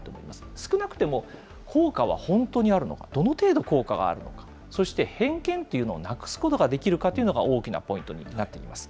少なくても、効果は本当にあるのか、どの程度効果があるのか、そして、偏見というのをなくすことができるかというのが、大きなポイントになってきます。